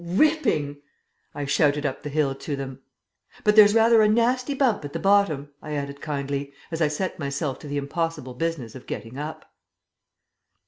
"Ripping!" I shouted up the hill to them. "But there's rather a nasty bump at the bottom," I added kindly, as I set myself to the impossible business of getting up....